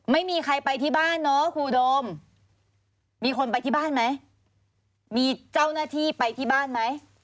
ไม่มีใครไปที่บ้านเนาะครูโดมมีคนไปที่บ้านไหมมีเจ้าหน้าที่ไปที่บ้านไหม